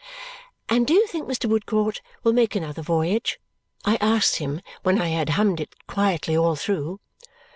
"And do you think Mr. Woodcourt will make another voyage?" I asked him when I had hummed it quietly all through.